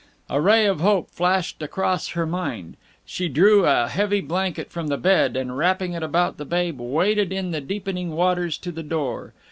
A ray of hope flashed across her mind. She drew a heavy blanket from the bed, and, wrapping it about the babe, waded in the deepening waters to the door.